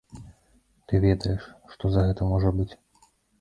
Ты ведаеш, што за гэта можа быць?